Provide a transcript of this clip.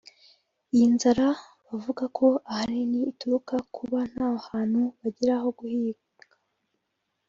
Iyi nzara bavuga ko ahanini ituruka ku kuba nta hantu bagira ho guhinga